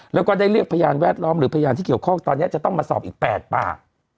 แล้วก็ได้เรียกพยานแวดล้อมหรือพยานที่เกี่ยวข้องตอนนี้จะต้องมาสอบอีก๘ปาก